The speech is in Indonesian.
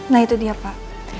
nah itu dia pak